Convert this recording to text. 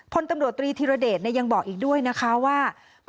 พลตำรวจตรีธิรเดชยังบอกอีกด้วยนะคะว่า